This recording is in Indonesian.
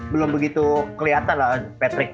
belum begitu kelihatan lah patrick